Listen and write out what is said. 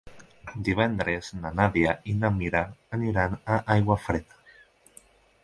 Divendres na Nàdia i na Mira aniran a Aiguafreda.